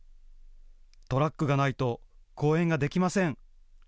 トラックがないと公演ができません。